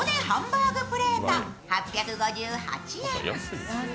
ハンバーグプレート８５８円。